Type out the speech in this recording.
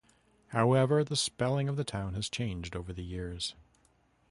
However, the spelling of the town has changed over the years.